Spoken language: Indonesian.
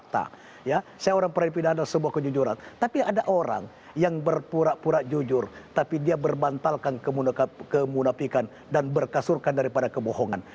tapi ada orang yang berpurak purak jujur tapi dia berbantalkan kemunafikan dan berkasurkan daripada kebohongan